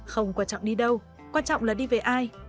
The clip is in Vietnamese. không quan trọng đi đâu quan trọng là đi về ai